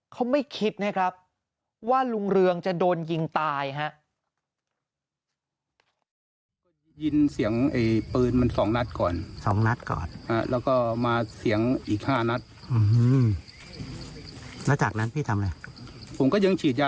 เขาไม่คิดนะครับว่าลุงเรืองจะโดนยิงตายฮะ